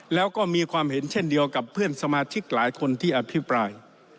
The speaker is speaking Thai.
แล้วก็มีความเห็นเช่นเดียวกับเพื่อนสมาชิกหลายคนที่อภิปราย